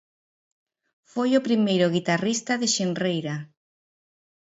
Foi o primeiro guitarrista de Xenreira.